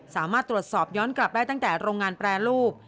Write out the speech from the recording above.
สามารถตรวจสอบย้อนกลับได้ตั้งแต่โรงงานแปรรูป